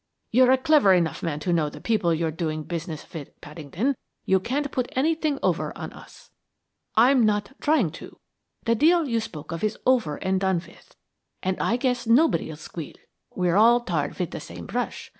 You're a clever enough man to know the people you're doing business with, Paddington. You can't put anything over on us.' "'I'm not trying to. The deal you spoke of is over and done with and I guess nobody'll squeal. We're all tarred with the same brush.